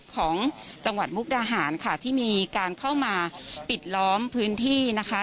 ของจังหวัดมุกดาหารค่ะที่มีการเข้ามาปิดล้อมพื้นที่นะคะ